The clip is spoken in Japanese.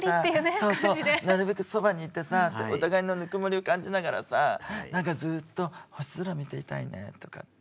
そうそうなるべくそばにいてさお互いのぬくもりを感じながらさ何かずっと星空見ていたいねとかっていう。